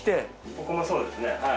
ここもそうですねはい。